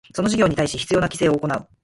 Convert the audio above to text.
その事業に対し必要な規制を行う